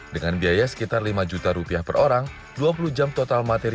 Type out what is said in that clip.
dengan biaya sekitar lima juta rupiah per orang dua puluh jam total materi